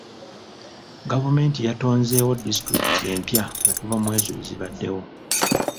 Gavumenti yatonzeewo disitulikiti empya okuva mw'ezo ezibaddewo.